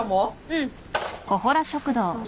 うん。